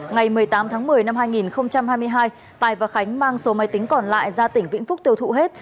ngày một mươi tám tháng một mươi năm hai nghìn hai mươi hai tài và khánh mang số máy tính còn lại ra tỉnh vĩnh phúc tiêu thụ hết